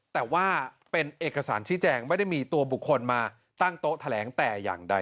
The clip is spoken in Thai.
แต่ว่าเป็นเอกสารชี้แจงไม่ได้มีตัวบุคคลมาตั้งโต๊ะแถลงแต่อย่างใด